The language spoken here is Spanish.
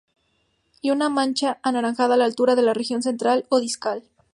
Y una mancha anaranjada a la altura de la región central o discal.